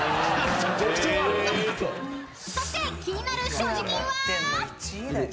［そして気になる所持金は］